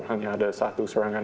hanya ada satu serangan